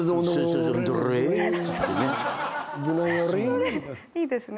それいいですね。